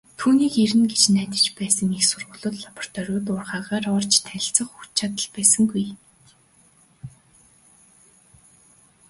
Түүнийг ирнэ гэж найдаж байсан их сургуулиуд, лабораториуд, уурхайгаар орж танилцах хүч чадал байсангүй.